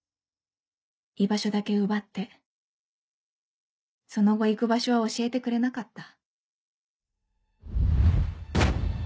居場所だけ奪ってその後行く場所は教えてくれなかった。